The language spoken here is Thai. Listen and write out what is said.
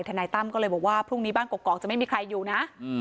นายตั้มก็เลยบอกว่าพรุ่งนี้บ้านกรอกจะไม่มีใครอยู่นะ